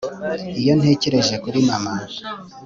iyo ntekereje kuri mama